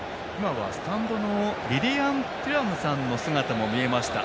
スタンドのリリアン・テュラムさんの姿もありました。